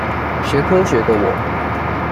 學科學的我